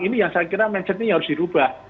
ini yang saya kira mindset ini harus dirubah